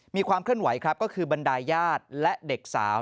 มีความเคลื่อนไหวครับก็คือบรรดายญาติและเด็กสาว